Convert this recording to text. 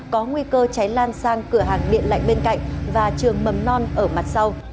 có nguy cơ cháy lan sang cửa hàng điện lạnh bên cạnh và trường mầm non ở mặt sau